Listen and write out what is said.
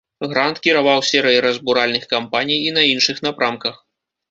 Грант кіраваў серыяй разбуральных кампаній і на іншых напрамках.